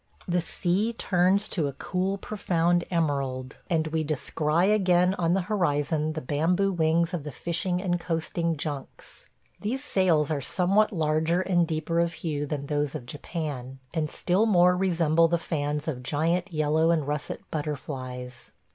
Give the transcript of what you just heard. The sea turns to a cool profound emerald, and we descry again on the horizon the bamboo wings of the fishing and coasting junks. These sails are somewhat larger and deeper of hue than those of Japan, and still more resemble the fans of giant yellow and russet butterflies.